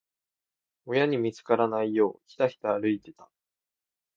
親に見つからないよう、ひたひた歩いてた。